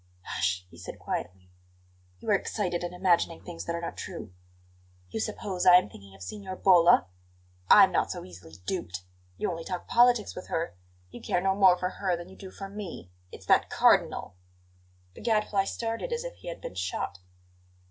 "Hush!" he said quietly. "You are excited and imagining things that are not true." "You suppose I am thinking of Signora Bolla? I'm not so easily duped! You only talk politics with her; you care no more for her than you do for me. It's that Cardinal!" The Gadfly started as if he had been shot.